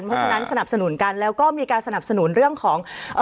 เพราะฉะนั้นสนับสนุนกันแล้วก็มีการสนับสนุนเรื่องของ